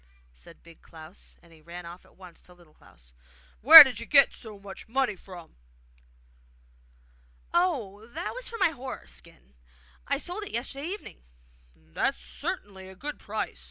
said Big Klaus, and he ran off at once to Little Klaus. 'Where did you get so much money from?' 'Oh, that was from my horse skin. I sold it yesterday evening.' 'That's certainly a good price!